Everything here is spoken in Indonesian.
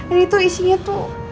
ini tuh isinya tuh